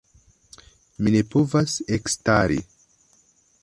Mi ne povas ekstari.